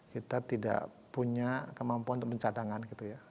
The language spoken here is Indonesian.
kita tidak punya kemampuan untuk pencadangan gitu ya